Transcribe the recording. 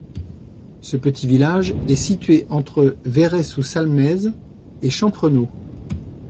Ce petit village est situé entre Verrey-sous-Salmaise et Champrenault.